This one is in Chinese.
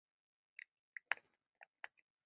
雷神索尔手持雷神之锤对上耶梦加得。